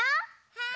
はい！